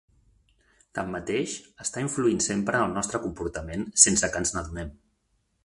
Tanmateix, està influint sempre en el nostre comportament sense que ens n'adonem.